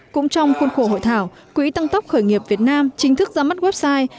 cũng trong khuôn khổ hội thảo quỹ tăng tốc khởi nghiệp việt nam chính thức ra mắt website